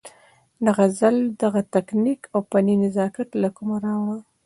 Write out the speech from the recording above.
د غزل دغه تکنيک او فني نزاکت له کومه راوړو-